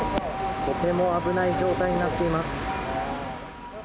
とても危ない状態になっています。